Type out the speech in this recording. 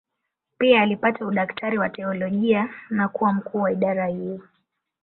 Pia alipata udaktari wa teolojia na kuwa mkuu wa idara hiyo.